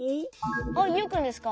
あっユウくんですか？